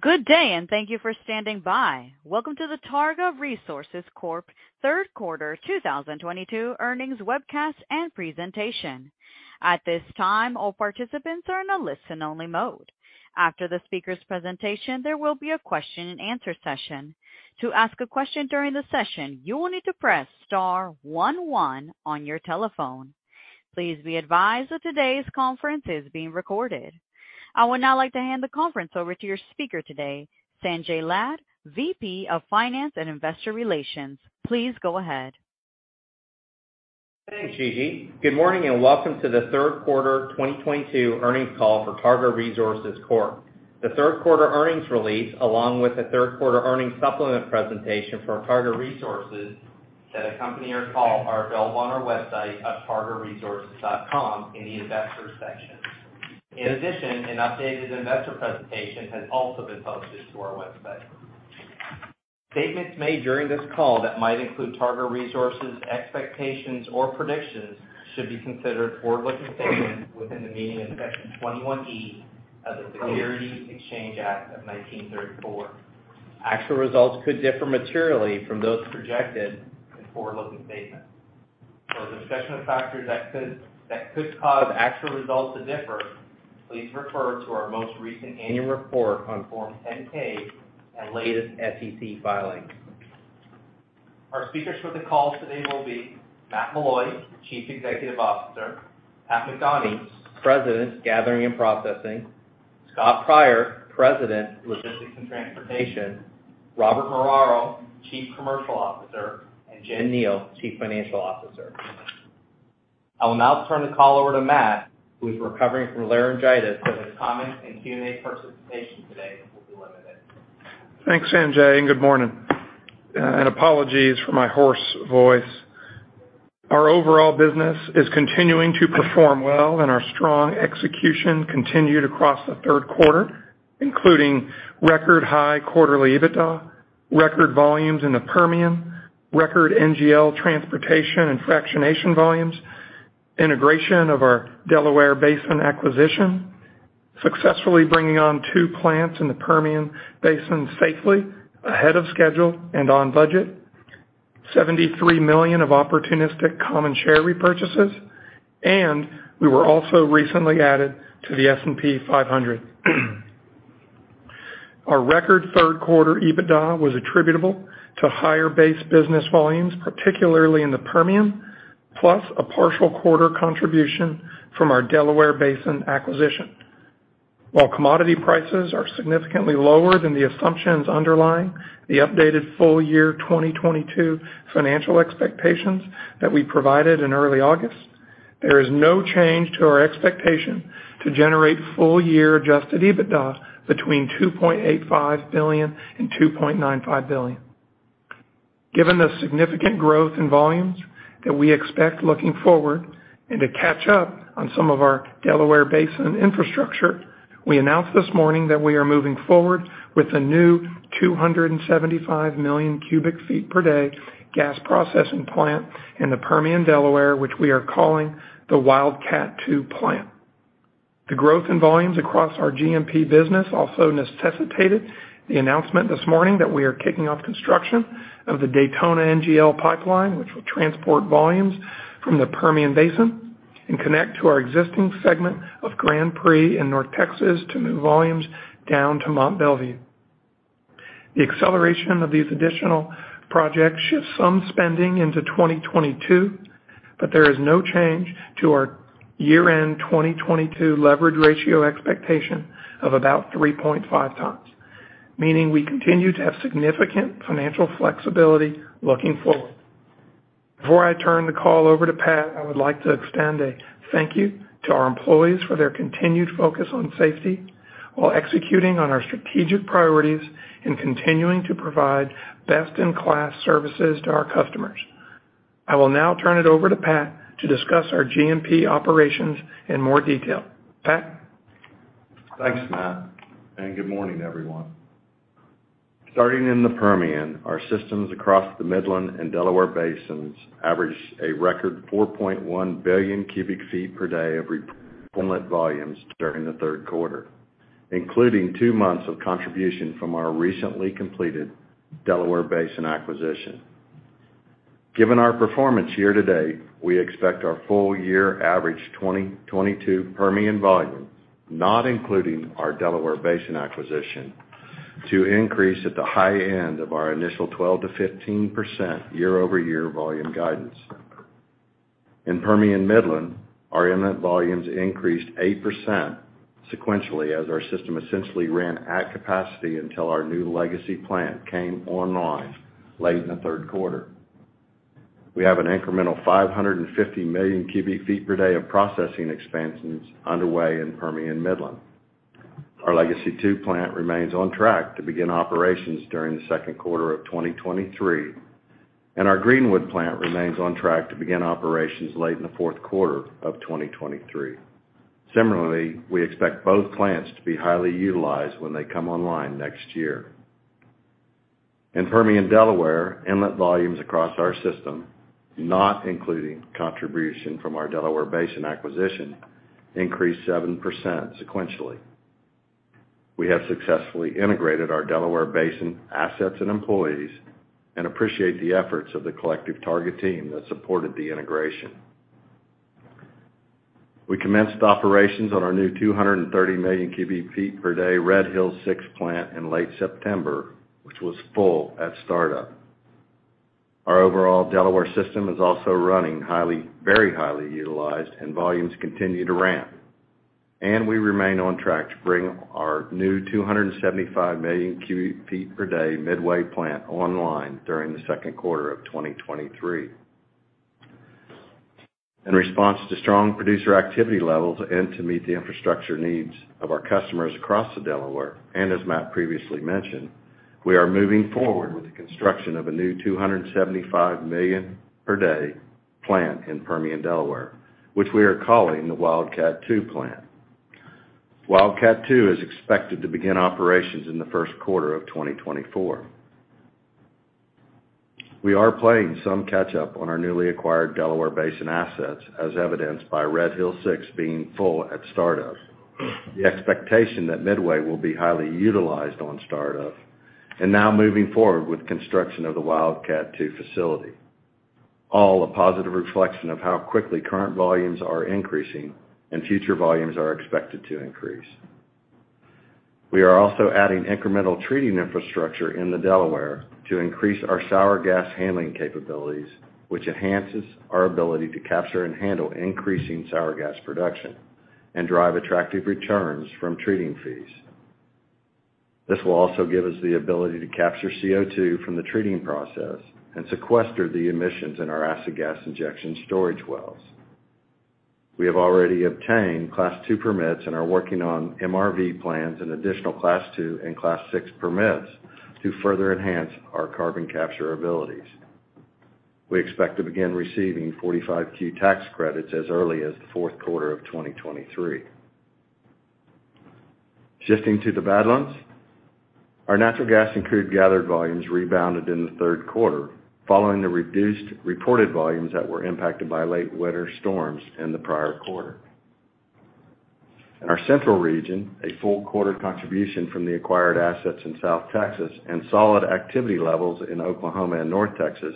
Good day, and thank you for standing by. Welcome to the Targa Resources Corp. Third Quarter 2022 Earnings Webcast and Presentation. At this time, all participants are in a listen-only mode. After the speakers' presentation, there will be a question-and-answer session. To ask a question during the session, you will need to press star one one on your telephone. Please be advised that today's conference is being recorded. I would now like to hand the conference over to your speaker today, Sanjay Lad, VP of Finance and Investor Relations. Please go ahead. Thanks, Gigi. Good morning, and welcome to the third quarter 2022 earnings call for Targa Resources Corp. The third quarter earnings release, along with the third quarter earnings supplement presentation from Targa Resources that accompany our call are available on our website at targaresources.com in the Investors section. In addition, an updated investor presentation has also been posted to our website. Statements made during this call that might include Targa Resources expectations or predictions should be considered forward-looking statements within the meaning of Section 21E of the Securities Exchange Act of 1934. Actual results could differ materially from those projected in forward-looking statements. For a discussion of factors that could cause actual results to differ, please refer to our most recent annual report on Form 10-K and latest SEC filings. Our speakers for the call today will be Matt Meloy, Chief Executive Officer, Pat McDonie, President, Gathering and Processing, Scott Pryor, President, Logistics and Transportation, Robert Muraro, Chief Commercial Officer, and Jen Kneale, Chief Financial Officer. I will now turn the call over to Matt, who is recovering from laryngitis, so his comments and Q&A participation today will be limited. Thanks, Sanjay, and good morning. Apologies for my hoarse voice. Our overall business is continuing to perform well, and our strong execution continued across the third quarter, including record high quarterly EBITDA, record volumes in the Permian, record NGL transportation and fractionation volumes, integration of our Delaware Basin acquisition, successfully bringing on two plants in the Permian Basin safely ahead of schedule and on budget, $73 million of opportunistic common share repurchases, and we were also recently added to the S&P 500. Our record third quarter EBITDA was attributable to higher base business volumes, particularly in the Permian, plus a partial quarter contribution from our Delaware Basin acquisition. While commodity prices are significantly lower than the assumptions underlying the updated full year 2022 financial expectations that we provided in early August, there is no change to our expectation to generate full year adjusted EBITDA between $2.85 billion and $2.95 billion. Given the significant growth in volumes that we expect looking forward and to catch up on some of our Delaware Basin infrastructure, we announced this morning that we are moving forward with a new 275 MMcf/d gas processing plant in the Permian Delaware, which we are calling the Wildcat II Plant. The growth in volumes across our G&P business also necessitated the announcement this morning that we are kicking off construction of the Daytona NGL Pipeline, which will transport volumes from the Permian Basin and connect to our existing segment of Grand Prix in North Texas to move volumes down to Mont Belvieu. The acceleration of these additional projects shifts some spending into 2022, but there is no change to our year-end 2022 leverage ratio expectation of about 3.5x, meaning we continue to have significant financial flexibility looking forward. Before I turn the call over to Pat, I would like to extend a thank you to our employees for their continued focus on safety while executing on our strategic priorities and continuing to provide best-in-class services to our customers. I will now turn it over to Pat to discuss our G&P operations in more detail. Pat? Thanks, Matt, and good morning, everyone. Starting in the Permian, our systems across the Midland and Delaware Basins averaged a record 4.1 Bcf/d of volumes during the third quarter, including two months of contribution from our recently completed Delaware Basin acquisition. Given our performance year to date, we expect our full year average 2022 Permian volumes, not including our Delaware Basin acquisition, to increase at the high end of our initial 12%-15% year-over-year volume guidance. In Permian Midland, our inlet volumes increased 8% sequentially as our system essentially ran at capacity until our new Legacy plant came online late in the third quarter. We have an incremental 550 MMcf/d of processing expansions underway in Permian Midland. Our Legacy II plant remains on track to begin operations during the second quarter of 2023, and our Greenwood plant remains on track to begin operations late in the fourth quarter of 2023. Similarly, we expect both plants to be highly utilized when they come online next year. In Permian Delaware, inlet volumes across our system, not including contribution from our Delaware Basin acquisition, increased 7% sequentially. We have successfully integrated our Delaware Basin assets and employees and appreciate the efforts of the collective Targa team that supported the integration. We commenced operations on our new 230 MMcf/d Red Hills VI plant in late September, which was full at startup. Our overall Delaware system is also running highly, very highly utilized, and volumes continue to ramp. We remain on track to bring our new 275 MMcf/d Midway plant online during the second quarter of 2023. In response to strong producer activity levels and to meet the infrastructure needs of our customers across the Delaware Basin, and as Matt previously mentioned, we are moving forward with the construction of a new 275 MMcd/d plant in Permian Delaware, which we are calling the Wildcat II plant. Wildcat II is expected to begin operations in the first quarter of 2024. We are playing some catch up on our newly acquired Delaware Basin assets, as evidenced by Red Hills VI being full at startup. The expectation that Midway will be highly utilized on startup and now moving forward with construction of the Wildcat II facility. All a positive reflection of how quickly current volumes are increasing and future volumes are expected to increase. We are also adding incremental treating infrastructure in the Delaware to increase our sour gas handling capabilities, which enhances our ability to capture and handle increasing sour gas production and drive attractive returns from treating fees. This will also give us the ability to capture CO2 from the treating process and sequester the emissions in our acid gas injection storage wells. We have already obtained Class II permits and are working on MRV plans and additional Class II and Class VI permits to further enhance our carbon capture abilities. We expect to begin receiving 45Q tax credits as early as the fourth quarter of 2023. Shifting to the Badlands, our natural gas and crude gathered volumes rebounded in the third quarter, following the reduced reported volumes that were impacted by late winter storms in the prior quarter. In our central region, a full quarter contribution from the acquired assets in South Texas and solid activity levels in Oklahoma and North Texas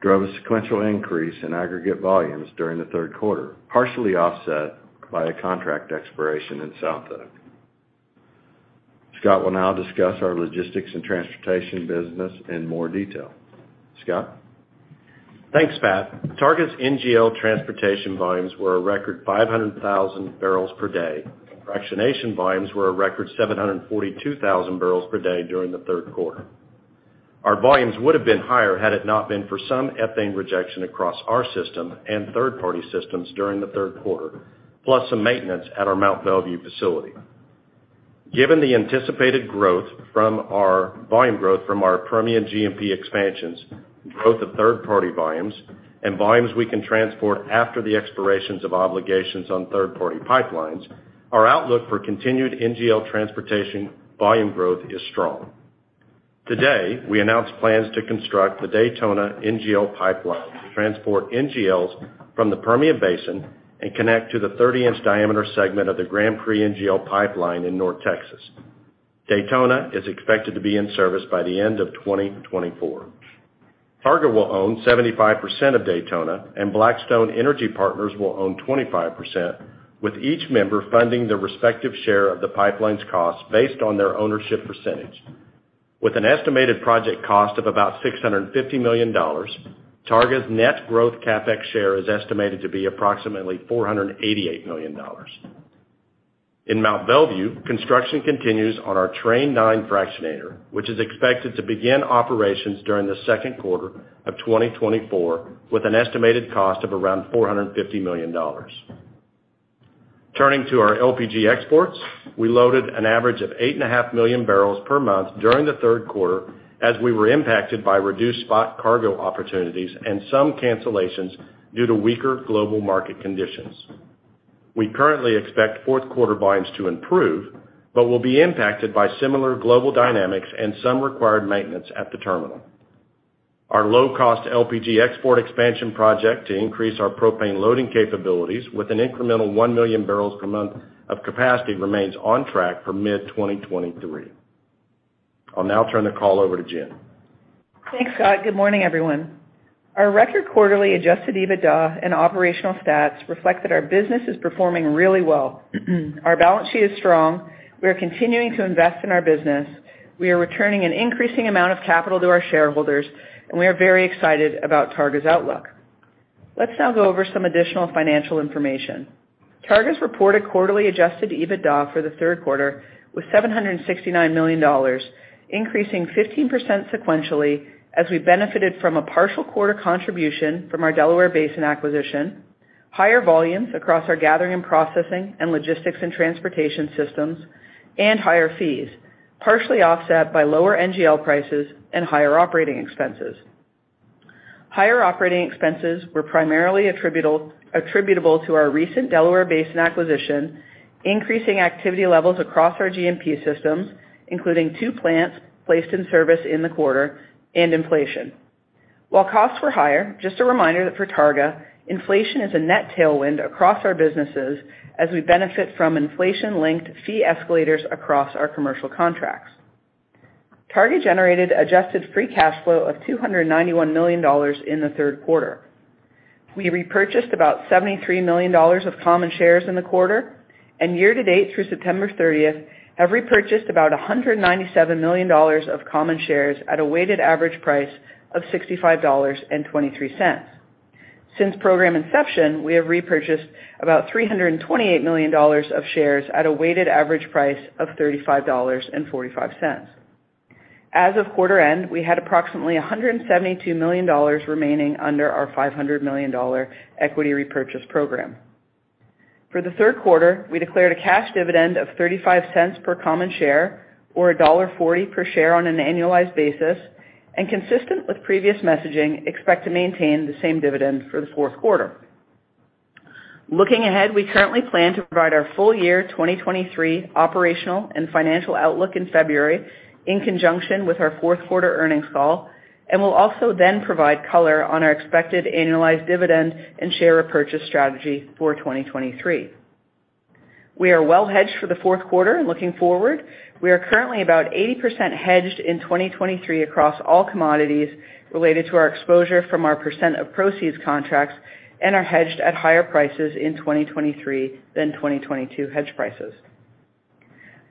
drove a sequential increase in aggregate volumes during the third quarter, partially offset by a contract expiration in SilverOK. Scott will now discuss our logistics and transportation business in more detail. Scott? Thanks, Pat. Targa's NGL transportation volumes were a record 500,000 barrels per day, and fractionation volumes were a record 742,000 barrels per day during the third quarter. Our volumes would have been higher had it not been for some ethane rejection across our system and third-party systems during the third quarter, plus some maintenance at our Mont Belvieu facility. Given the anticipated volume growth from our Permian G&P expansions, growth of third-party volumes, and volumes we can transport after the expirations of obligations on third-party pipelines, our outlook for continued NGL transportation volume growth is strong. Today, we announced plans to construct the Daytona NGL Pipeline to transport NGLs from the Permian Basin and connect to the 30-in diameter segment of the Grand Prix NGL Pipeline in North Texas. Daytona is expected to be in service by the end of 2024. Targa will own 75% of Daytona and Blackstone Energy Partners will own 25%, with each member funding their respective share of the pipeline's cost based on their ownership percentage. With an estimated project cost of about $650 million, Targa's net growth CapEx share is estimated to be approximately $488 million. In Mont Belvieu, construction continues on our Train 9 fractionator, which is expected to begin operations during the second quarter of 2024, with an estimated cost of around $450 million. Turning to our LPG exports, we loaded an average of 8.5 million barrels per month during the third quarter as we were impacted by reduced spot cargo opportunities and some cancellations due to weaker global market conditions. We currently expect fourth quarter volumes to improve, but will be impacted by similar global dynamics and some required maintenance at the terminal. Our low-cost LPG export expansion project to increase our propane loading capabilities with an incremental 1 million barrels per month of capacity remains on track for mid-2023. I'll now turn the call over to Jen. Thanks, Scott. Good morning, everyone. Our record quarterly adjusted EBITDA and operational stats reflect that our business is performing really well. Our balance sheet is strong. We are continuing to invest in our business. We are returning an increasing amount of capital to our shareholders, and we are very excited about Targa's outlook. Let's now go over some additional financial information. Targa's reported quarterly adjusted EBITDA for the third quarter was $769 million, increasing 15% sequentially as we benefited from a partial quarter contribution from our Delaware Basin acquisition, higher volumes across our Gathering and Processing and Logistics and Transportation systems, and higher fees, partially offset by lower NGL prices and higher operating expenses. Higher operating expenses were primarily attributable to our recent Delaware Basin acquisition, increasing activity levels across our G&P systems, including two plants placed in service in the quarter and inflation. While costs were higher, just a reminder that for Targa, inflation is a net tailwind across our businesses as we benefit from inflation-linked fee escalators across our commercial contracts. Targa generated adjusted free cash flow of $291 million in the third quarter. We repurchased about $73 million of common shares in the quarter, and year-to-date through September 30th, have repurchased about $197 million of common shares at a weighted average price of $65.23. Since program inception, we have repurchased about $328 million of shares at a weighted average price of $35.45. As of quarter end, we had approximately $172 million remaining under our $500 million equity repurchase program. For the third quarter, we declared a cash dividend of $0.35 per common share, or $1.40 per share on an annualized basis, and consistent with previous messaging, expect to maintain the same dividend for the fourth quarter. Looking ahead, we currently plan to provide our full year 2023 operational and financial outlook in February in conjunction with our fourth quarter earnings call, and we'll also then provide color on our expected annualized dividend and share repurchase strategy for 2023. We are well hedged for the fourth quarter and looking forward. We are currently about 80% hedged in 2023 across all commodities related to our exposure from our percent of proceeds contracts and are hedged at higher prices in 2023 than 2022 hedge prices.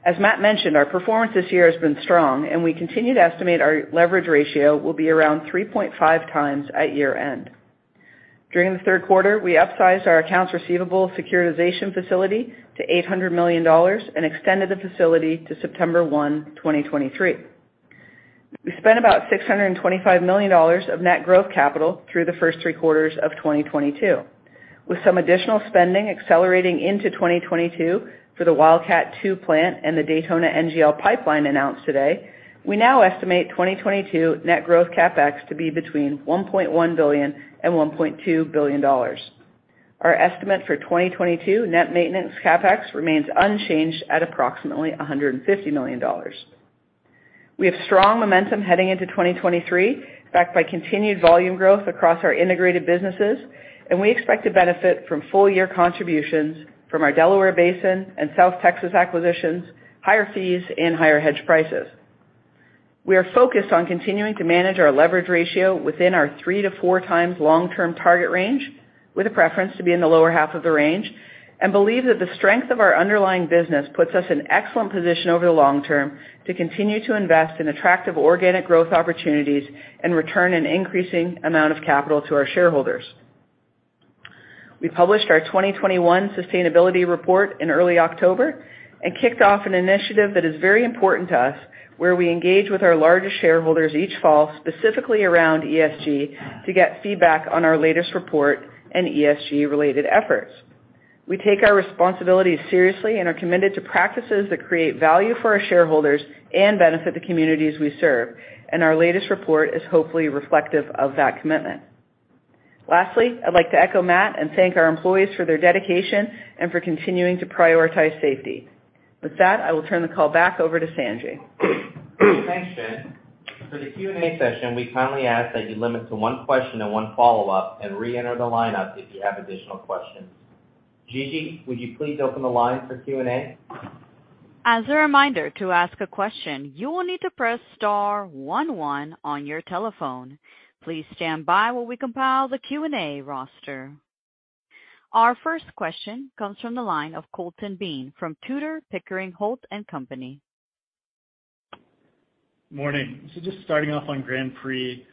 As Matt mentioned, our performance this year has been strong and we continue to estimate our leverage ratio will be around 3.5x at year-end. During the third quarter, we upsized our accounts receivable securitization facility to $800 million and extended the facility to September 1, 2023. We spent about $625 million of net growth capital through the first three quarters of 2022. With some additional spending accelerating into 2022 for the Wildcat II plant and the Daytona NGL Pipeline announced today, we now estimate 2022 net growth CapEx to be between $1.1 billion and $1.2 billion. Our estimate for 2022 net maintenance CapEx remains unchanged at approximately $150 million. We have strong momentum heading into 2023, backed by continued volume growth across our integrated businesses, and we expect to benefit from full year contributions from our Delaware Basin and South Texas acquisitions, higher fees and higher hedge prices. We are focused on continuing to manage our leverage ratio within our 3x-4x long-term target range, with a preference to be in the lower half of the range, and believe that the strength of our underlying business puts us in excellent position over the long term to continue to invest in attractive organic growth opportunities and return an increasing amount of capital to our shareholders. We published our 2021 sustainability report in early October and kicked off an initiative that is very important to us, where we engage with our largest shareholders each fall, specifically around ESG, to get feedback on our latest report and ESG-related efforts. We take our responsibilities seriously and are committed to practices that create value for our shareholders and benefit the communities we serve, and our latest report is hopefully reflective of that commitment. Lastly, I'd like to echo Matt and thank our employees for their dedication and for continuing to prioritize safety. With that, I will turn the call back over to Sanjay. Thanks, Jen. For the Q&A session, we kindly ask that you limit to one question and one follow-up and reenter the lineup if you have additional questions. Gigi, would you please open the line for Q&A? As a reminder, to ask a question, you will need to press star one one on your telephone. Please stand by while we compile the Q&A roster. Our first question comes from the line of Colton Bean from Tudor, Pickering, Holt & Co. Morning. Just starting off on Grand Prix,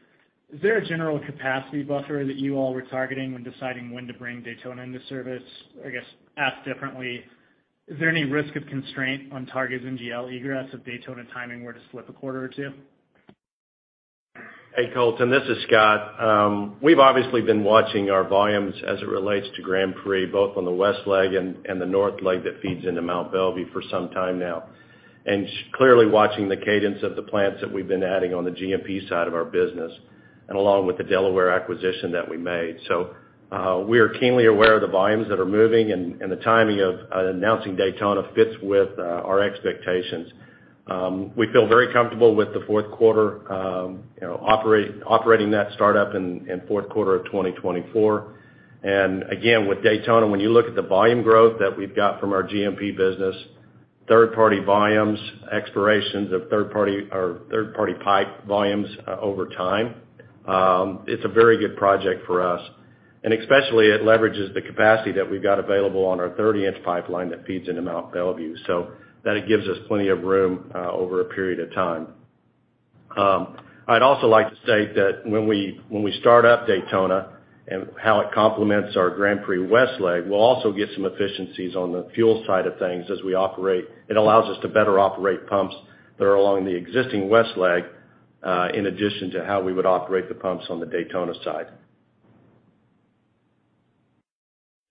is there a general capacity buffer that you all were targeting when deciding when to bring Daytona into service? I guess, asked differently, is there any risk of constraint on Targa's NGL egress if Daytona timing were to slip a quarter or two? Hey, Colton, this is Scott. We've obviously been watching our volumes as it relates to Grand Prix, both on the west leg and the north leg that feeds into Mont Belvieu for some time now. Clearly watching the cadence of the plants that we've been adding on the G&P side of our business and along with the Delaware acquisition that we made. We are keenly aware of the volumes that are moving and the timing of announcing Daytona fits with our expectations. We feel very comfortable with the fourth quarter, you know, operating that start up in fourth quarter of 2024. Again, with Daytona, when you look at the volume growth that we've got from our G&P business, third-party volumes, expirations of third-party pipe volumes over time, it's a very good project for us. Especially it leverages the capacity that we've got available on our 30-in pipeline that feeds into Mont Belvieu. That gives us plenty of room over a period of time. I'd also like to state that when we start up Daytona and how it complements our Grand Prix West leg, we'll also get some efficiencies on the fuel side of things as we operate. It allows us to better operate pumps that are along the existing west leg in addition to how we would operate the pumps on the Daytona side.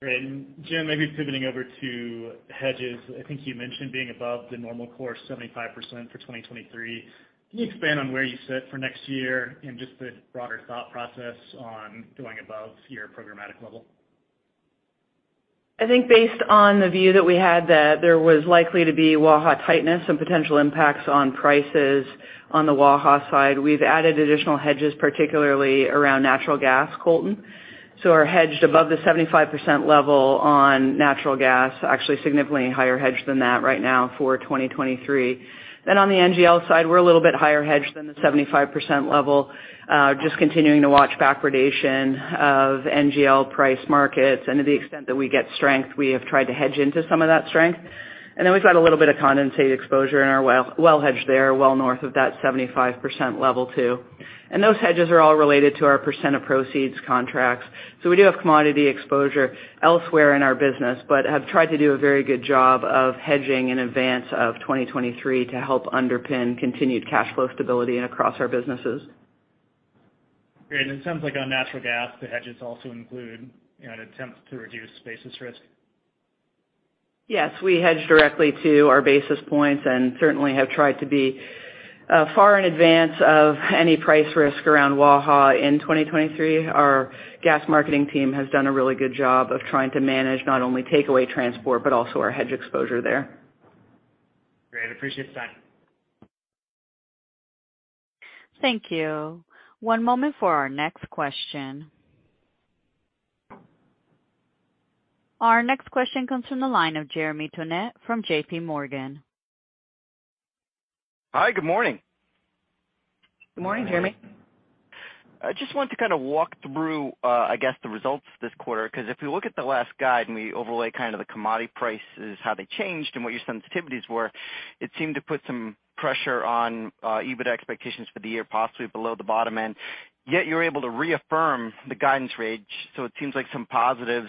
Great. Jen, maybe pivoting over to hedges. I think you mentioned being above the normal course 75% for 2023. Can you expand on where you sit for next year and just the broader thought process on going above your programmatic level? I think based on the view that we had that there was likely to be Waha tightness and potential impacts on prices on the Waha side, we've added additional hedges, particularly around natural gas, Colton. We're hedged above the 75% level on natural gas, actually significantly higher hedged than that right now for 2023. On the NGL side, we're a little bit higher hedged than the 75% level, just continuing to watch backwardation of NGL price markets. To the extent that we get strength, we have tried to hedge into some of that strength. We've got a little bit of condensate exposure in our well, well hedged there, well north of that 75% level too. Those hedges are all related to our percent of proceeds contracts. We do have commodity exposure elsewhere in our business, but have tried to do a very good job of hedging in advance of 2023 to help underpin continued cash flow stability across our businesses. Great. It sounds like on natural gas, the hedges also include, you know, an attempt to reduce basis risk? Yes. We hedge directly to our basis points and certainly have tried to be far in advance of any price risk around Waha in 2023. Our gas marketing team has done a really good job of trying to manage not only takeaway transport, but also our hedge exposure there. Great. Appreciate the time. Thank you. One moment for our next question. Our next question comes from the line of Jeremy Tonet from JPMorgan. Hi. Good morning. Good morning, Jeremy. I just wanted to kind of walk through, I guess, the results this quarter, 'cause if you look at the last guide and we overlay kind of the commodity prices, how they changed and what your sensitivities were, it seemed to put some pressure on EBIT expectations for the year, possibly below the bottom end. Yet you were able to reaffirm the guidance range, so it seems like some positives,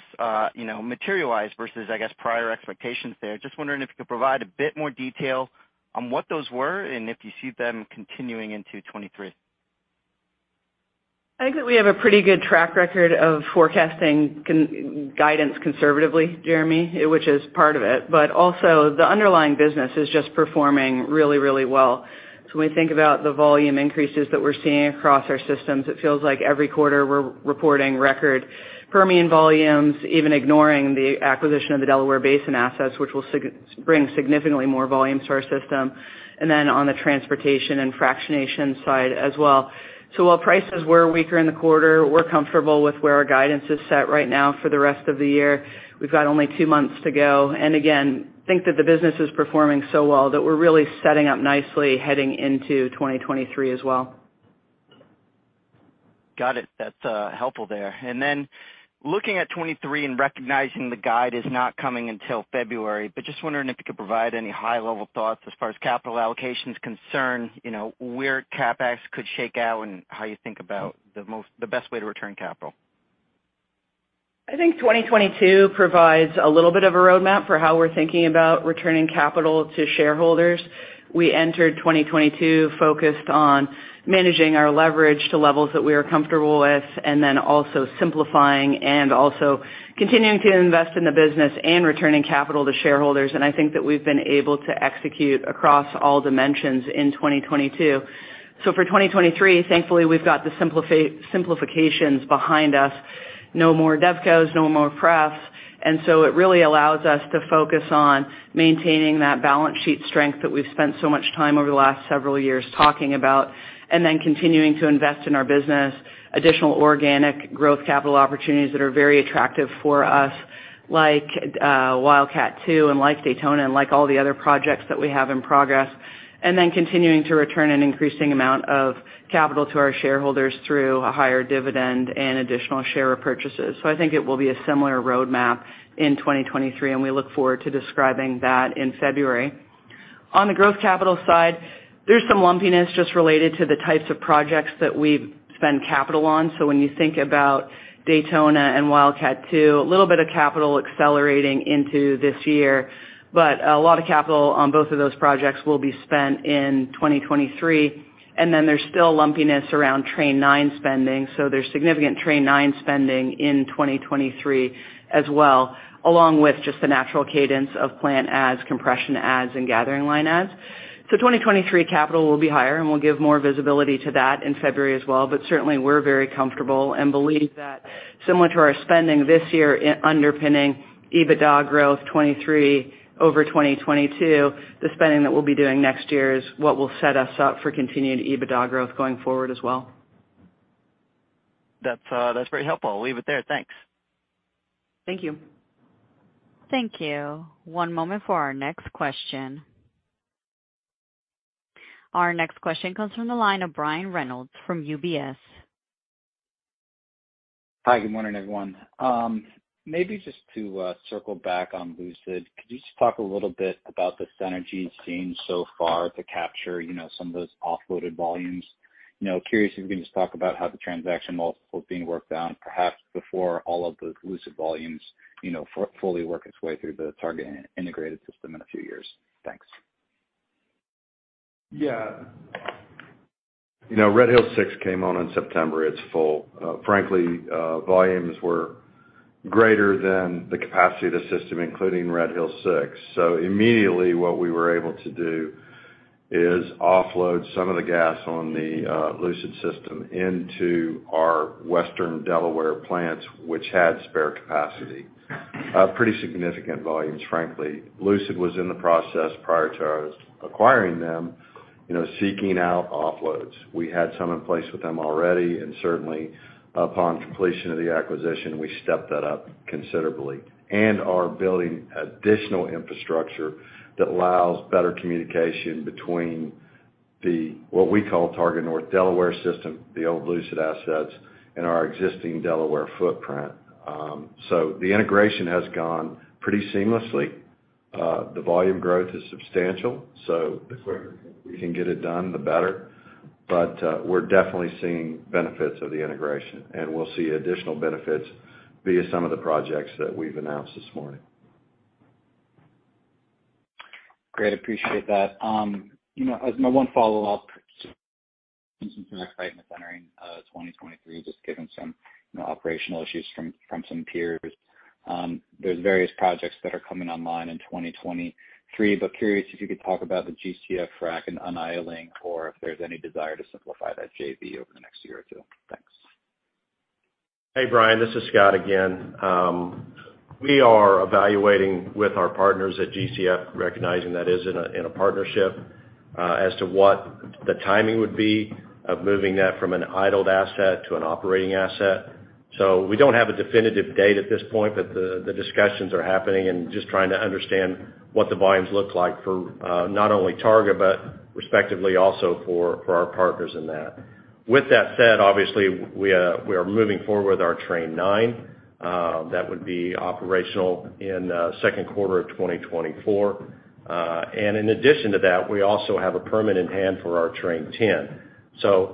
you know, materialized versus, I guess, prior expectations there. Just wondering if you could provide a bit more detail on what those were and if you see them continuing into 2023. I think that we have a pretty good track record of forecasting guidance conservatively, Jeremy, which is part of it. The underlying business is just performing really, really well. When we think about the volume increases that we're seeing across our systems, it feels like every quarter we're reporting record Permian volumes, even ignoring the acquisition of the Delaware Basin assets, which will bring significantly more volume to our system, and then on the transportation and fractionation side as well. While prices were weaker in the quarter, we're comfortable with where our guidance is set right now for the rest of the year. We've got only two months to go. Think that the business is performing so well that we're really setting up nicely heading into 2023 as well. Got it. That's, helpful there. Looking at 2023 and recognizing the guide is not coming until February, but just wondering if you could provide any high level thoughts as far as capital allocation is concerned, you know, where CapEx could shake out and how you think about the best way to return capital. I think 2022 provides a little bit of a roadmap for how we're thinking about returning capital to shareholders. We entered 2022 focused on managing our leverage to levels that we are comfortable with and then also simplifying and also continuing to invest in the business and returning capital to shareholders. I think that we've been able to execute across all dimensions in 2022. For 2023, thankfully, we've got the simplifications behind us. No more DevCos, no more pref. It really allows us to focus on maintaining that balance sheet strength that we've spent so much time over the last several years talking about, and then continuing to invest in our business, additional organic growth capital opportunities that are very attractive for us, like Wildcat II and like Daytona and like all the other projects that we have in progress. Then continuing to return an increasing amount of capital to our shareholders through a higher dividend and additional share repurchases. I think it will be a similar roadmap in 2023, and we look forward to describing that in February. On the growth capital side, there's some lumpiness just related to the types of projects that we've spent capital on. When you think about Daytona and Wildcat II, a little bit of capital accelerating into this year, but a lot of capital on both of those projects will be spent in 2023. There's still lumpiness around Train 9 spending, so there's significant Train 9 spending in 2023 as well, along with just the natural cadence of plant adds, compression adds, and gathering line adds. 2023 capital will be higher, and we'll give more visibility to that in February as well. Certainly we're very comfortable and believe that similar to our spending this year underpinning EBITDA growth 2023 over 2022, the spending that we'll be doing next year is what will set us up for continued EBITDA growth going forward as well. That's very helpful. I'll leave it there. Thanks. Thank you. Thank you. One moment for our next question. Our next question comes from the line of Brian Reynolds from UBS. Hi. Good morning, everyone. Maybe just to circle back on Lucid, could you just talk a little bit about the synergy you've seen so far to capture, you know, some of those offloaded volumes? You know, curious if you can just talk about how the transaction multiple is being worked down, perhaps before all of the Lucid volumes, you know, fully work its way through the Targa integrated system in a few years. Thanks. Yeah. You know, Red Hills VI came on in September. It's full. Frankly, volumes were greater than the capacity of the system, including Red Hills VI. Immediately what we were able to do is offload some of the gas on the Lucid system into our Western Delaware plants, which had spare capacity, pretty significant volumes, frankly. Lucid was in the process prior to us acquiring them, you know, seeking out offloads. We had some in place with them already, and certainly upon completion of the acquisition, we stepped that up considerably and are building additional infrastructure that allows better communication between what we call the Targa North Delaware system, the old Lucid assets, and our existing Delaware footprint. The integration has gone pretty seamlessly. The volume growth is substantial, so the quicker we can get it done, the better. We're definitely seeing benefits of the integration, and we'll see additional benefits via some of the projects that we've announced this morning. Great. Appreciate that. You know, as my one follow-up, some excitement entering 2023, just given some, you know, operational issues from some peers. There's various projects that are coming online in 2023. Curious if you could talk about the GCF frac and un-idling or if there's any desire to simplify that JV over the next year or two. Thanks. Hey, Brian, this is Scott again. We are evaluating with our partners at GCF, recognizing that it is in a partnership, as to what the timing would be of moving that from an idled asset to an operating asset. We don't have a definitive date at this point, but the discussions are happening and just trying to understand what the volumes look like for not only Targa, but respectively also for our partners in that. With that said, obviously we are moving forward with our Train 9, that would be operational in second quarter of 2024. In addition to that, we also have a permit in hand for our Train 10.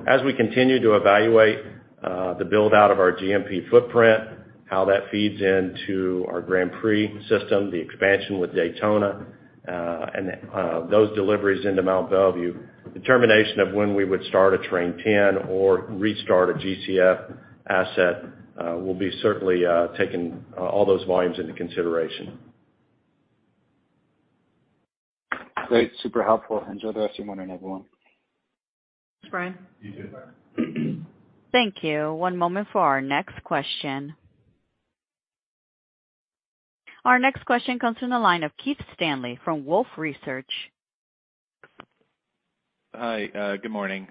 As we continue to evaluate the build-out of our G&P footprint, how that feeds into our Grand Prix system, the expansion with Daytona, and those deliveries into Mont Belvieu, determination of when we would start a Train 10 or restart a GCF asset will be certainly taking all those volumes into consideration. Great. Super helpful. Enjoy the rest of your morning, everyone. Thanks, Brian. You too. Bye. Thank you. One moment for our next question. Our next question comes from the line of Keith Stanley from Wolfe Research. Hi. Good morning.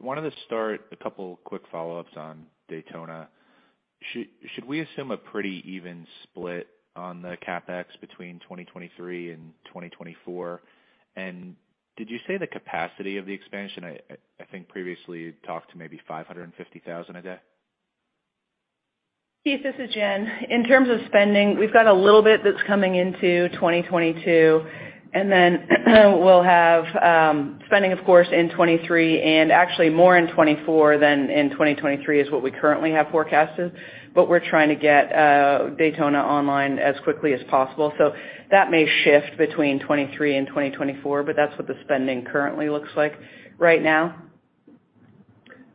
Wanted to start a couple quick follow-ups on Daytona. Should we assume a pretty even split on the CapEx between 2023 and 2024? Did you say the capacity of the expansion? I think previously you talked to maybe 550,000 a day. Keith, this is Jen. In terms of spending, we've got a little bit that's coming into 2022, and then we'll have spending of course in 2023 and actually more in 2024 than in 2023 is what we currently have forecasted. We're trying to get Daytona online as quickly as possible. That may shift between 2023 and 2024, but that's what the spending currently looks like right now.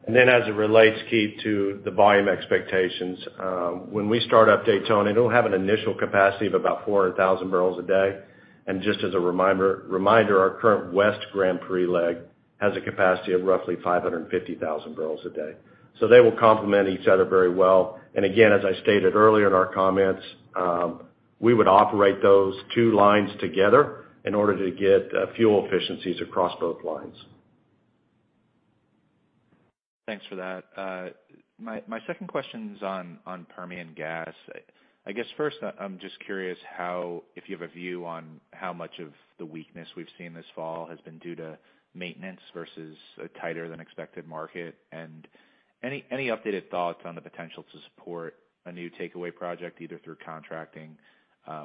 As it relates, Keith, to the volume expectations, when we start up Daytona, it'll have an initial capacity of about 400,000 barrels a day. Just as a reminder, our current Grand Prix West leg has a capacity of roughly 550,000 barrels a day. They will complement each other very well. Again, as I stated earlier in our comments, we would operate those two lines together in order to get full efficiencies across both lines. Thanks for that. My second question's on Permian gas. I guess first I'm just curious how, if you have a view on how much of the weakness we've seen this fall has been due to maintenance versus a tighter than expected market, and any updated thoughts on the potential to support a new takeaway project, either through contracting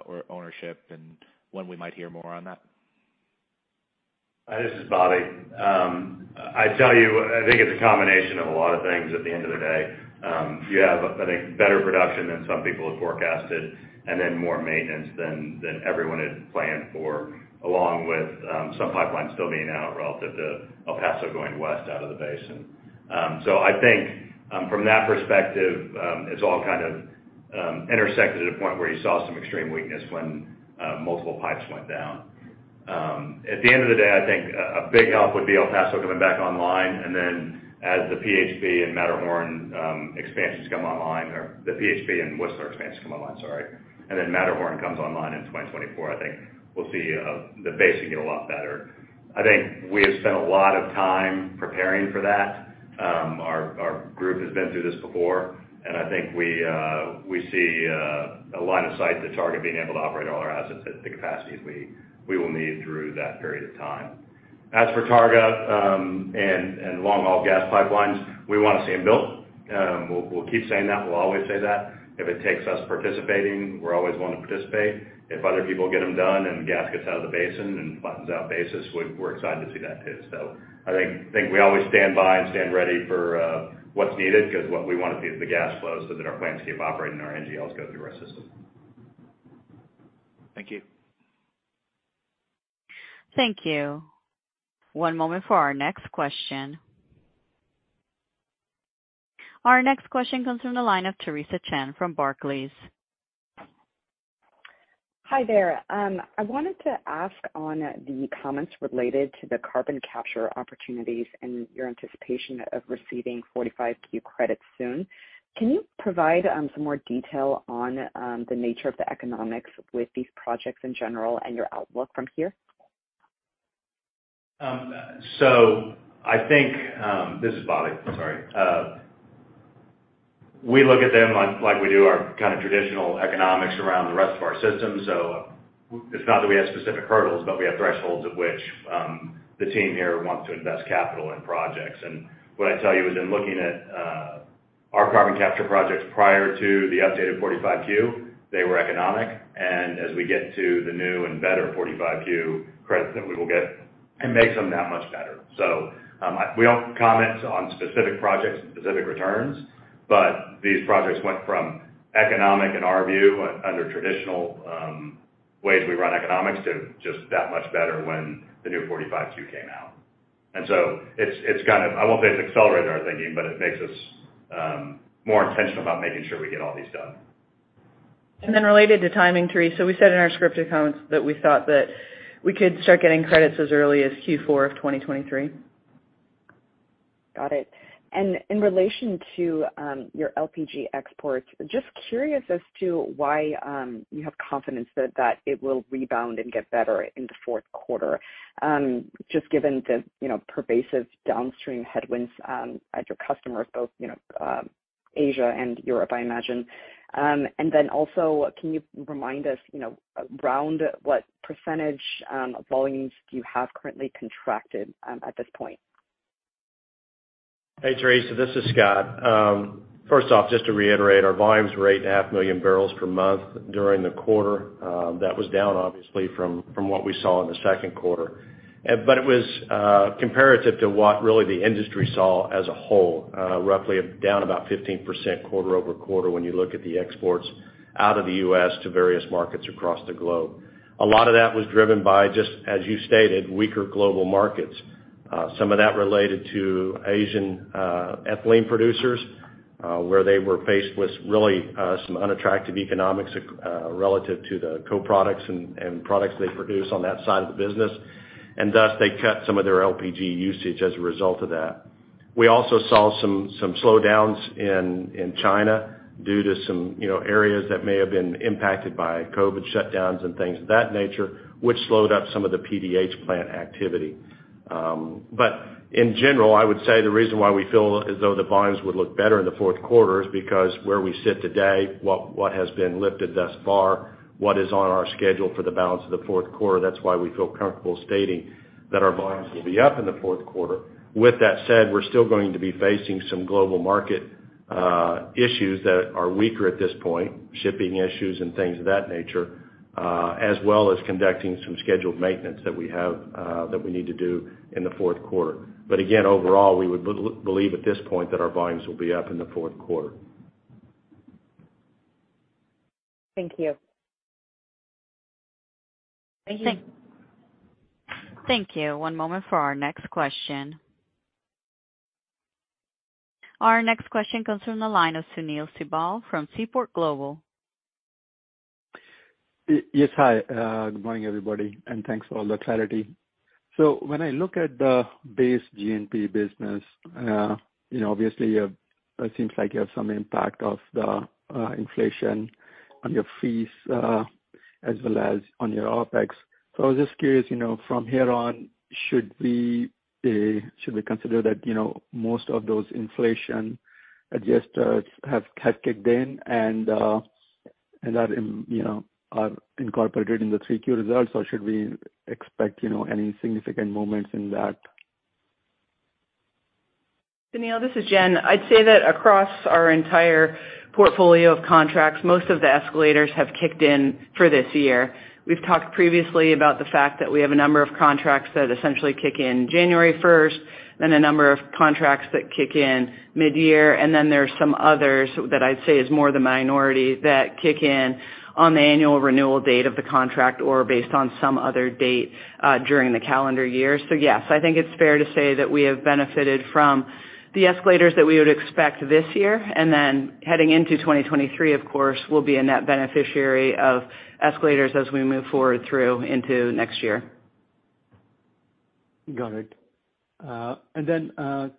or ownership, and when we might hear more on that. This is Bobby. I tell you, I think it's a combination of a lot of things at the end of the day. You have, I think, better production than some people have forecasted and then more maintenance than everyone had planned for, along with some pipelines still being out relative to El Paso going west out of the basin. I think, from that perspective, it's all kind of intersected at a point where you saw some extreme weakness when multiple pipes went down. At the end of the day, I think a big help would be El Paso coming back online, and then as the PHP and Matterhorn expansions come online or the PHP and Whistler expansions come online, sorry, and then Matterhorn comes online in 2024, I think we'll see the basin get a lot better. I think we have spent a lot of time preparing for that. Our group has been through this before, and I think we see a line of sight to Targa being able to operate all our assets at the capacities we will need through that period of time. As for Targa and long-haul gas pipelines, we want to see them built. We'll keep saying that. We'll always say that. If it takes us participating, we're always willing to participate. If other people get them done and gas gets out of the basin and flattens out basis, we're excited to see that too. I think we always stand by and stand ready for what's needed because what we want to see is the gas flow so that our plants keep operating and our NGLs go through our system. Thank you. Thank you. One moment for our next question. Our next question comes from the line of Theresa Chen from Barclays. Hi there. I wanted to ask on the comments related to the carbon capture opportunities and your anticipation of receiving 45Q credits soon. Can you provide some more detail on the nature of the economics with these projects in general and your outlook from here? I think this is Bobby, I'm sorry. We look at them like we do our kind of traditional economics around the rest of our system. It's not that we have specific hurdles, but we have thresholds at which the team here wants to invest capital in projects. What I'd tell you is in looking at our carbon capture projects prior to the updated 45Q, they were economic. As we get to the new and better 45Q credits that we will get, it makes them that much better. We don't comment on specific projects and specific returns, but these projects went from economic in our view, under traditional ways we run economics, to just that much better when the new 45Q came out. I won't say it's accelerated our thinking, but it makes us more intentional about making sure we get all these done. Related to timing, Theresa, we said in our scripted comments that we thought that we could start getting credits as early as Q4 of 2023. Got it. In relation to your LPG exports, just curious as to why you have confidence that it will rebound and get better in the fourth quarter, just given the, you know, pervasive downstream headwinds at your customers, both, you know, Asia and Europe, I imagine. Also, can you remind us, you know, around what percentage of volumes do you have currently contracted at this point? Hey, Theresa, this is Scott. First off, just to reiterate, our volumes were 8.5 million barrels per month during the quarter. That was down obviously from what we saw in the second quarter. It was comparative to what really the industry saw as a whole, roughly down about 15% quarter-over-quarter when you look at the exports out of the U.S. to various markets across the globe. A lot of that was driven by, just as you stated, weaker global markets. Some of that related to Asian ethylene producers, where they were faced with really some unattractive economics relative to the co-products and products they produce on that side of the business. Thus, they cut some of their LPG usage as a result of that. We also saw some slowdowns in China due to some, you know, areas that may have been impacted by COVID shutdowns and things of that nature, which slowed up some of the PDH plant activity. In general, I would say the reason why we feel as though the volumes would look better in the fourth quarter is because where we sit today, what has been lifted thus far, what is on our schedule for the balance of the fourth quarter, that's why we feel comfortable stating that our volumes will be up in the fourth quarter. With that said, we're still going to be facing some global market issues that are weaker at this point, shipping issues and things of that nature, as well as conducting some scheduled maintenance that we need to do in the fourth quarter. Again, overall, we would believe at this point that our volumes will be up in the fourth quarter. Thank you. Thank you. One moment for our next question. Our next question comes from the line of Sunil Sibal from Seaport Global. Yes, hi. Good morning, everybody, and thanks for all the clarity. When I look at the base G&P business, you know, obviously, it seems like you have some impact of the inflation on your fees, as well as on your OpEx. I was just curious, you know, from here on, should we consider that, you know, most of those inflation adjusters have kicked in and are incorporated in the 3Q results? Or should we expect, you know, any significant movements in that? Sunil, this is Jen. I'd say that across our entire portfolio of contracts, most of the escalators have kicked in for this year. We've talked previously about the fact that we have a number of contracts that essentially kick in January 1st, then a number of contracts that kick in mid-year. Then there are some others that I'd say is more the minority that kick in on the annual renewal date of the contract or based on some other date during the calendar year. Yes, I think it's fair to say that we have benefited from the escalators that we would expect this year. Then heading into 2023, of course, we'll be a net beneficiary of escalators as we move forward through into next year. Got it.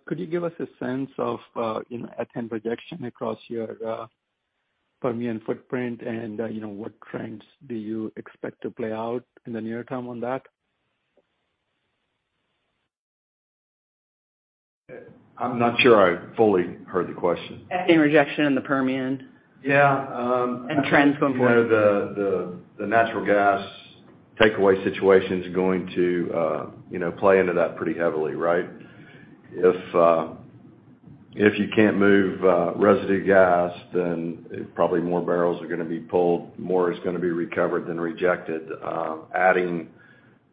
Could you give us a sense of, you know, ethane rejection across your Permian footprint and, you know, what trends do you expect to play out in the near term on that? I'm not sure I fully heard the question. Ethane rejection in the Permian. Yeah. Trends going forward. You know, the natural gas takeaway situation is going to, you know, play into that pretty heavily, right? If you can't move residue gas, then probably more barrels are gonna be pulled, more is gonna be recovered than rejected, adding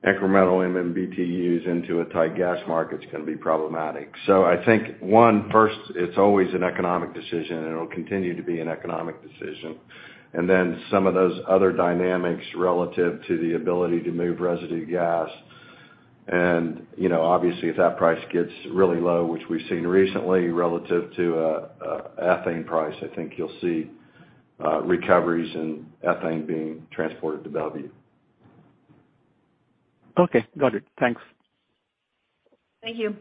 incremental MMBtu into a tight gas market's gonna be problematic. I think, first, it's always an economic decision, and it'll continue to be an economic decision. Then some of those other dynamics relative to the ability to move residue gas and, you know, obviously, if that price gets really low, which we've seen recently relative to ethane price, I think you'll see recoveries in ethane being transported to Belvieu. Okay. Got it. Thanks. Thank you.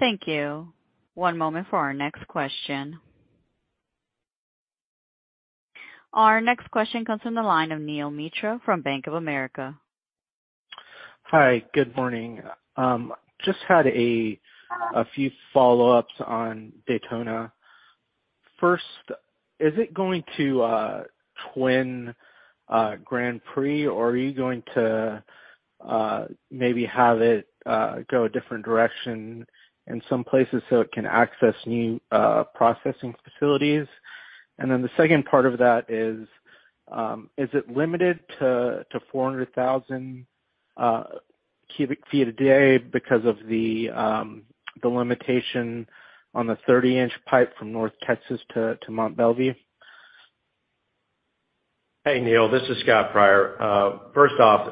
Thank you. One moment for our next question. Our next question comes from the line of Neel Mitra from Bank of America. Hi, good morning. Just had a few follow-ups on Daytona. First, is it going to twin Grand Prix, or are you going to maybe have it go a different direction in some places so it can access new processing facilities? The second part of that is it limited to 400,000 cubic feet a day because of the limitation on the 30-in pipe from North Texas to Mont Belvieu? Hey, Neel. This is Scott Pryor. First off,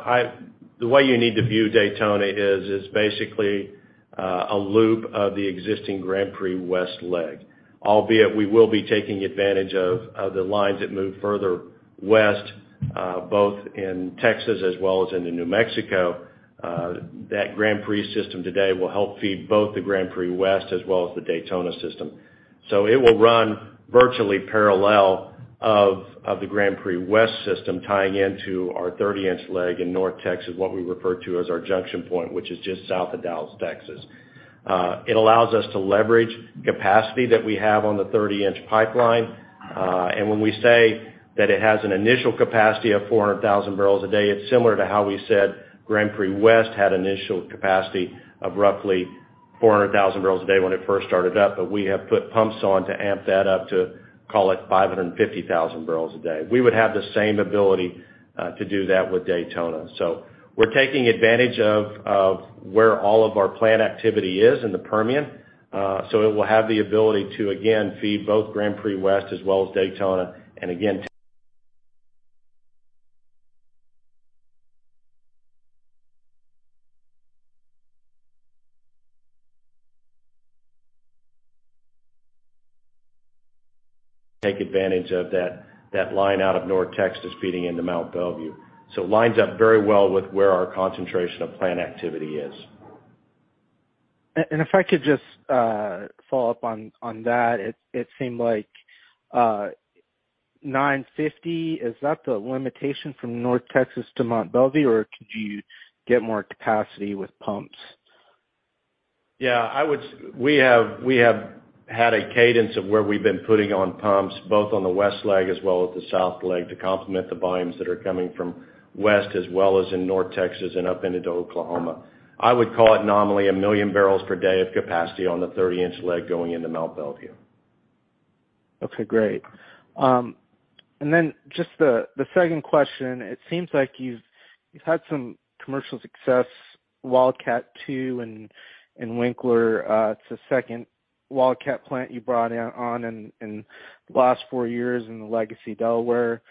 the way you need to view Daytona is basically a loop of the existing Grand Prix West leg. Albeit we will be taking advantage of the lines that move further west, both in Texas as well as into New Mexico. That Grand Prix system today will help feed both the Grand Prix West as well as the Daytona system. It will run virtually parallel to the Grand Prix West system tying into our 30-in leg in North Texas, what we refer to as our junction point, which is just south of Dallas, Texas. It allows us to leverage capacity that we have on the 30-in pipeline. When we say that it has an initial capacity of 400,000 barrels a day, it's similar to how we said Grand Prix West had initial capacity of roughly 400,000 barrels a day when it first started up, but we have put pumps on to amp that up to, call it, 550,000 barrels a day. We would have the same ability to do that with Daytona. We're taking advantage of where all of our plant activity is in the Permian. It will have the ability to, again, feed both Grand Prix West as well as Daytona. Again, take advantage of that line out of North Texas feeding into Mont Belvieu. It lines up very well with where our concentration of plant activity is. If I could just follow up on that. It seemed like 950,000 barrels a day. Is that the limitation from North Texas to Mont Belvieu, or could you get more capacity with pumps? We have had a cadence of where we've been putting on pumps, both on the west leg as well as the south leg, to complement the volumes that are coming from west as well as in North Texas and up into Oklahoma. I would call it nominally 1 million barrels per day of capacity on the 30-in leg going into Mont Belvieu. Okay, great. Just the second question. It seems like you've had some commercial success, Wildcat II and Winkler. It's the second Wildcat plant you brought online in the last four years in the Legacy Delaware.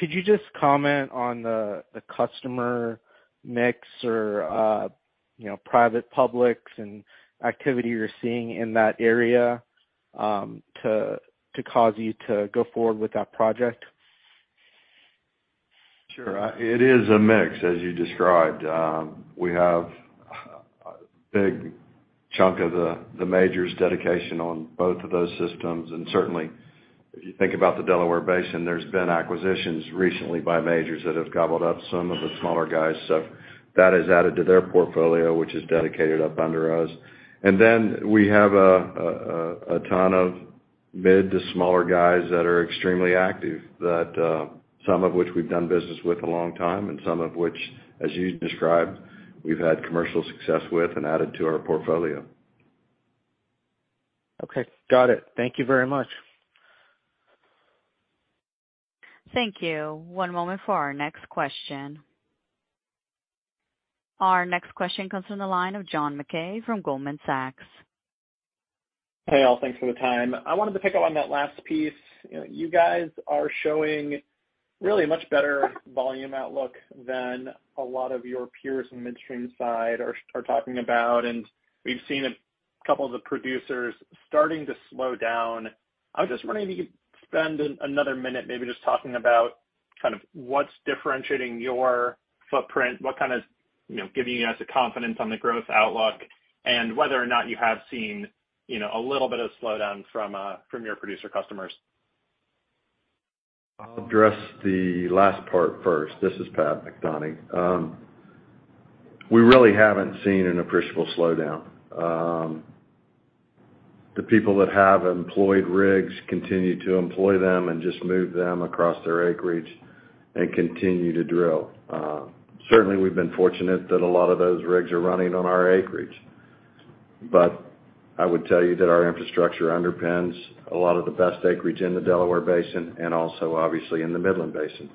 Could you just comment on the customer mix or, you know, private-publics and activity you're seeing in that area to cause you to go forward with that project? Sure. It is a mix, as you described. We have a big chunk of the majors' dedication on both of those systems. Certainly, if you think about the Delaware Basin, there's been acquisitions recently by majors that have gobbled up some of the smaller guys. That has added to their portfolio, which is dedicated up under us. Then we have a ton of mid to smaller guys that are extremely active, some of which we've done business with a long time and some of which, as you described, we've had commercial success with and added to our portfolio. Okay, got it. Thank you very much. Thank you. One moment for our next question. Our next question comes from the line of John Mackay from Goldman Sachs. Hey, all. Thanks for the time. I wanted to pick up on that last piece. You know, you guys are showing really much better volume outlook than a lot of your peers in midstream side are talking about. We've seen a couple of the producers starting to slow down. I was just wondering if you could spend another minute maybe just talking about kind of what's differentiating your footprint, what kind of, you know, giving us the confidence on the growth outlook, and whether or not you have seen, you know, a little bit of slowdown from your producer customers? I'll address the last part first. This is Pat McDonie. We really haven't seen an appreciable slowdown. The people that have employed rigs continue to employ them and just move them across their acreage and continue to drill. Certainly, we've been fortunate that a lot of those rigs are running on our acreage. I would tell you that our infrastructure underpins a lot of the best acreage in the Delaware Basin and also obviously in the Midland Basin,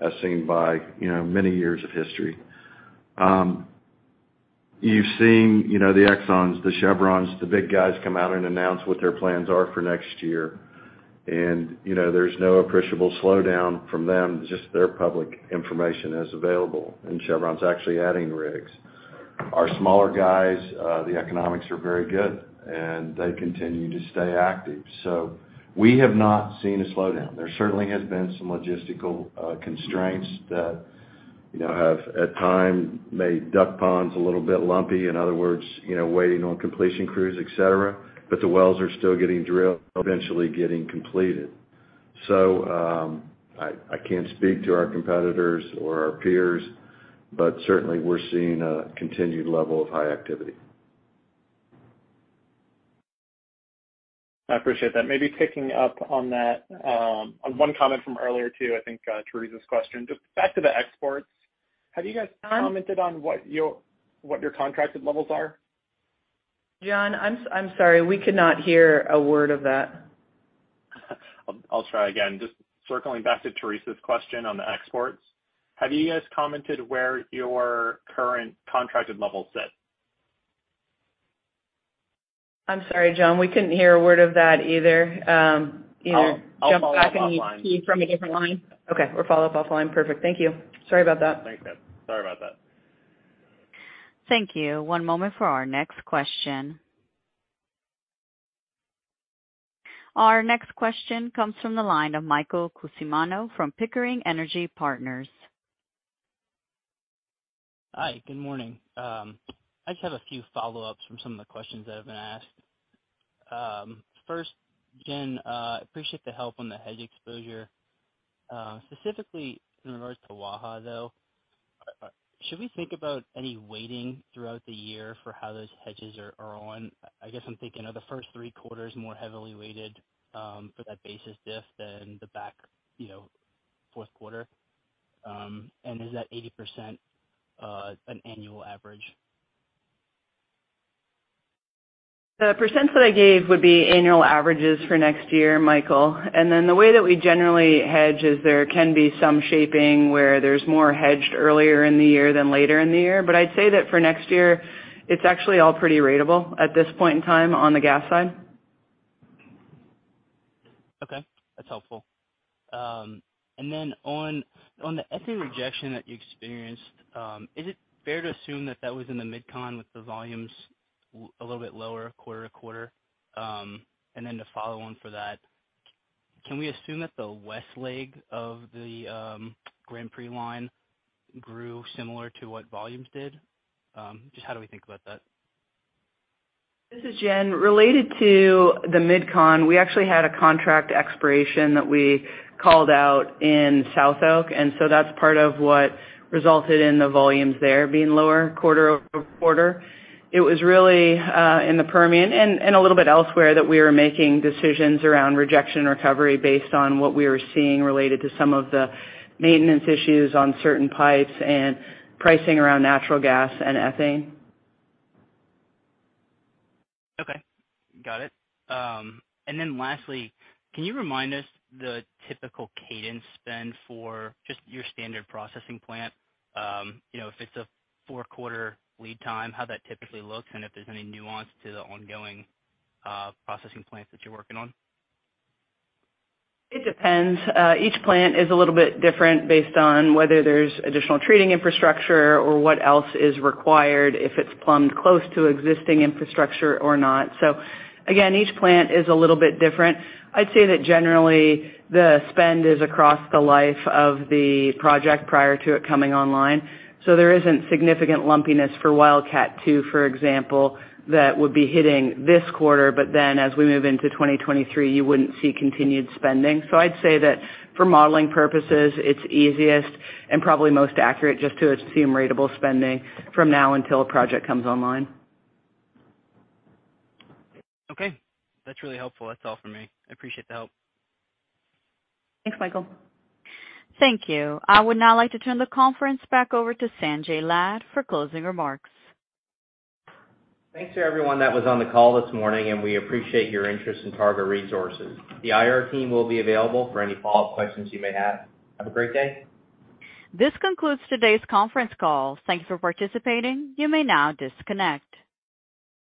as seen by, you know, many years of history. You've seen, you know, the Exxons, the Chevrons, the big guys come out and announce what their plans are for next year. You know, there's no appreciable slowdown from them, just their public information is available. And Chevron's actually adding rigs. Our smaller guys, the economics are very good and they continue to stay active. We have not seen a slowdown. There certainly has been some logistical constraints that, you know, have at times made duck ponds a little bit lumpy. In other words, you know, waiting on completion crews, et cetera. The wells are still getting drilled, eventually getting completed. I can't speak to our competitors or our peers, but certainly we're seeing a continued level of high activity. I appreciate that. Maybe picking up on that, on one comment from earlier, too, I think, Theresa's question. Just back to the exports, have you guys commented on what your contracted levels are? John, I'm sorry, we could not hear a word of that. I'll try again. Just circling back to Theresa's question on the exports. Have you guys commented where your current contracted levels sit? I'm sorry, John, we couldn't hear a word of that either. I'll follow up offline. Jump back and you can tee from a different line? Okay. We'll follow up offline. Perfect. Thank you. Sorry about that. Thanks. Sorry about that. Thank you. One moment for our next question. Our next question comes from the line of Michael Cusimano from Pickering Energy Partners. Hi, good morning. I just have a few follow-ups from some of the questions that have been asked. First, Jen, appreciate the help on the hedge exposure. Specifically in regards to Waha, though, should we think about any weighting throughout the year for how those hedges are on? I guess I'm thinking, are the first three quarters more heavily weighted for that basis diff than the back, you know, fourth quarter? Is that 80% an annual average? The percents that I gave would be annual averages for next year, Michael. The way that we generally hedge is there can be some shaping where there's more hedged earlier in the year than later in the year. I'd say that for next year, it's actually all pretty ratable at this point in time on the gas side. Okay, that's helpful. On the ethane rejection that you experienced, is it fair to assume that was in the Midcon with the volumes a little bit lower quarter-to-quarter? To follow on from that, can we assume that the west leg of the Grand Prix line grew similar to what volumes did? Just how do we think about that? This is Jen. Related to the Midcon, we actually had a contract expiration that we called out in SouthOK, and so that's part of what resulted in the volumes there being lower quarter-over-quarter. It was really in the Permian and a little bit elsewhere that we were making decisions around rejection recovery based on what we were seeing related to some of the maintenance issues on certain pipes and pricing around natural gas and ethane. Okay, got it. Lastly, can you remind us the typical cadence then for just your standard processing plant? You know, if it's a four-quarter lead time, how that typically looks, and if there's any nuance to the ongoing processing plants that you're working on? It depends. Each plant is a little bit different based on whether there's additional treating infrastructure or what else is required if it's plumbed close to existing infrastructure or not. Again, each plant is a little bit different. I'd say that generally, the spend is across the life of the project prior to it coming online. There isn't significant lumpiness for Wildcat II, for example, that would be hitting this quarter. Then as we move into 2023, you wouldn't see continued spending. I'd say that for modeling purposes, it's easiest and probably most accurate just to assume ratable spending from now until a project comes online. Okay, that's really helpful. That's all for me. I appreciate the help. Thanks, Michael. Thank you. I would now like to turn the conference back over to Sanjay Lad for closing remarks. Thanks to everyone that was on the call this morning, and we appreciate your interest in Targa Resources. The IR team will be available for any follow-up questions you may have. Have a great day. This concludes today's conference call. Thanks for participating. You may now disconnect.